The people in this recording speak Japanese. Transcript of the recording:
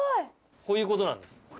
こういうことなんです。